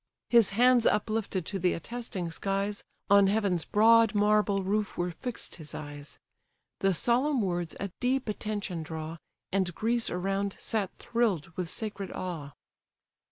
His hands uplifted to the attesting skies, On heaven's broad marble roof were fixed his eyes. The solemn words a deep attention draw, And Greece around sat thrill'd with sacred awe.